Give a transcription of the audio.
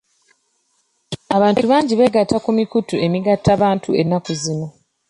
Abantu bangi beegatta ku mikutu emigattabantu ennaku zino.